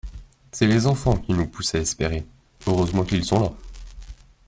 C'est les enfants qui nous poussent à espérer, heureusement qu'ils sont là.